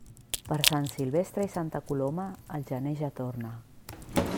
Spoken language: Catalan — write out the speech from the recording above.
Per Sant Silvestre i Santa Coloma, el gener ja torna.